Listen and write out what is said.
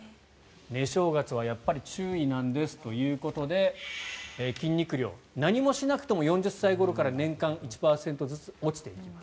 寝正月はやっぱり注意なんですということで筋肉量は何もしなくても４０歳ごろから年間１％ずつ落ちていきます。